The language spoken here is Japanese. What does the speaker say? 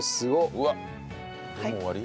うわっもう終わり？